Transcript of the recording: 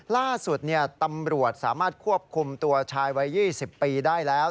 ล่าสุดตำรวจสามารถควบคุมตัวชายวัย๒๐ปีได้แล้ว